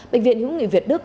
bệnh viện hữu nghị việt đức